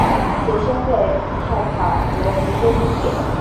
分学生月票卡和福州地铁。